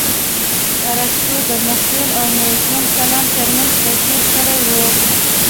ارستو د مخيل او موزون کلام ترمنځ توپير کړى و.